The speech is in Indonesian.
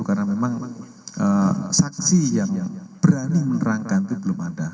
karena memang saksi yang berani menerangkan itu belum ada